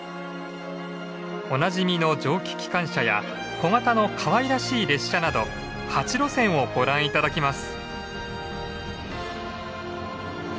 おなじみの蒸気機関車や小型のかわいらしい列車など８路線をご覧頂きます。